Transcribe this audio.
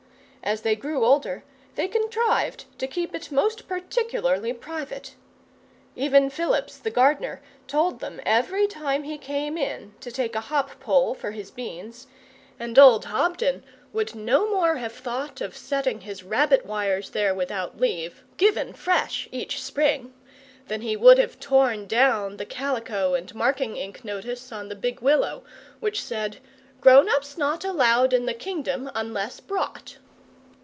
As they grew older, they contrived to keep it most particularly private. Even Phillips, the gardener, told them every time that he came in to take a hop pole for his beans, and old Hobden would no more have thought of setting his rabbit wires there without leave, given fresh each spring, than he would have torn down the calico and marking ink notice on the big willow which said: 'Grown ups not allowed in the Kingdom unless brought.